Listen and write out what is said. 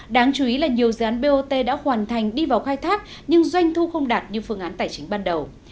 đáng chú ý là nhiều dự án bot đã hoàn thành đi vào khai thác nhưng doanh thu không đạt như phương án tài chính ban đầu